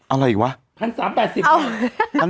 อะไรอีกวะพันสามแปดสิบเอ้าค่ะช้าล๊อค